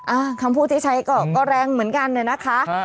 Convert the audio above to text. อ่าคำพูดที่ใช้ก็แรงเหมือนกันเนี่ยนะคะ